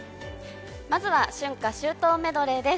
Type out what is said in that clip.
まずは「春夏秋冬メドレー」です。